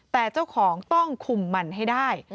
แต่เจ้าของต้องคุมมันให้ได้